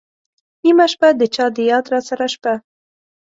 نېمه شپه ، د چا د یاد راسره شپه